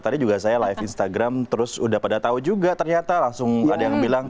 tadi juga saya live instagram terus udah pada tahu juga ternyata langsung ada yang bilang